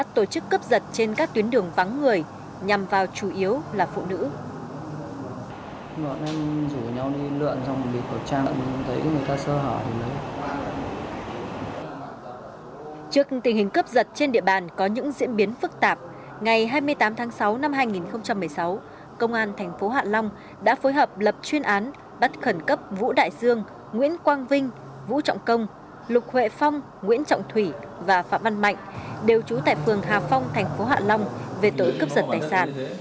trước tình hình cấp giật trên địa bàn có những diễn biến phức tạp ngày hai mươi tám tháng sáu năm hai nghìn một mươi sáu công an thành phố hạ long đã phối hợp lập chuyên án bắt khẩn cấp vũ đại dương nguyễn quang vinh vũ trọng công lục huệ phong nguyễn trọng thủy và phạm văn mạnh đều trú tại phường hà phong thành phố hạ long về tối cấp giật tài sản